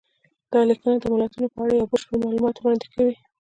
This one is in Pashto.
دا لیکنه د متلونو په اړه یو بشپړ معلومات وړاندې کوي